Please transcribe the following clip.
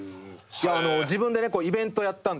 自分でイベントやったんですよ。